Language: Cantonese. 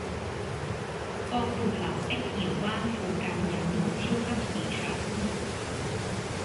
薄扶林碧瑤灣附近有無超級市場？